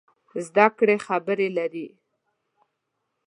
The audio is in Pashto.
زده کړې خبرې لري.